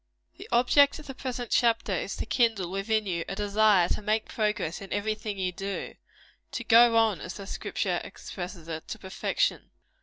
The object of the present chapter is to kindle within you a desire to make progress in every thing you do to go on, as the Scripture expresses it, to perfection.